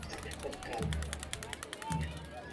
په انګریزي ژبه کي د لارښود لپاره بېلابېلي کلمې سته.